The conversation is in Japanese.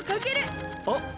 あっ！